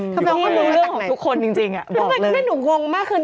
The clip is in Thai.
นี่มันเรื่องของทุกคนจริงอะบอกเลยทำไมถ้าหนูงงมากขึ้น